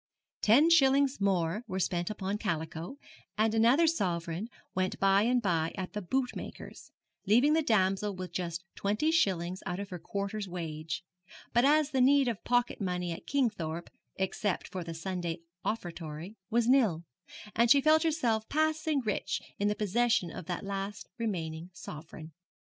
Ten shillings more were spent upon calico, and another sovereign went by and by at the bootmaker's, leaving the damsel with just twenty shillings out of her quarter's wage; but as the need of pocket money at Kingthorpe, except for the Sunday offertory, was nil, she felt herself passing rich in the possession of that last remaining sovereign.